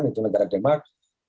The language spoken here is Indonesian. yaitu negara denmark